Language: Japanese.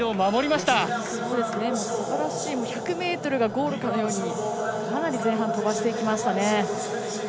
すばらしい、１００ｍがゴールかのようにかなり前半飛ばしていきました。